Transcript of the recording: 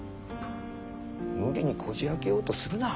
無理にこじあけようとするな。